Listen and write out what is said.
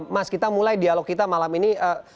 mas kita mulai dialog kita malam ini